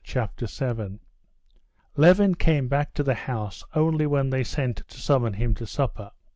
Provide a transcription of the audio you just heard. Chapter 7 Levin came back to the house only when they sent to summon him to supper.